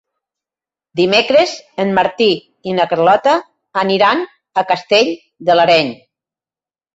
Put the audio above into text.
Dimecres en Martí i na Carlota aniran a Castell de l'Areny.